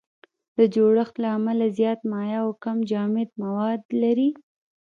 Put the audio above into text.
د جوړښت له امله زیات مایع او کم جامد مواد لري.